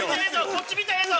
こっち見てええぞ！